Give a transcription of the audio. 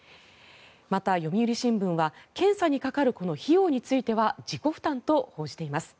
また、読売新聞は検査にかかるこの費用については自己負担と報じています。